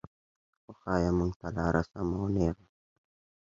وښايه مونږ ته لاره سمه او نېغه